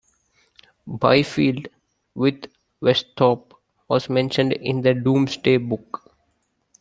Byfield, with Westhorp, was mentioned in the "Domesday Book".